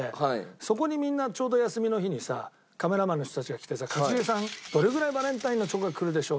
そこにみんなちょうど休みの日にさカメラマンの人たちが来てさ「一茂さんどれぐらいバレンタインのチョコがくるでしょう？」